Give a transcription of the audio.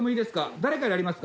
誰からやりますか？